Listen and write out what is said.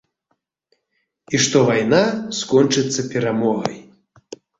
І што вайна скончыцца перамогай.